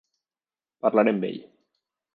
Parlaré amb ell.